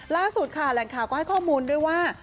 ล่าสุดค่ะแหล่งข่าวก็ให้ข้อมูลด้วยว่า